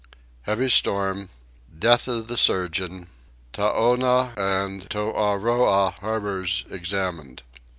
Heavy Storm. Death of the Surgeon. Taowne and Toahroah Harbours examined.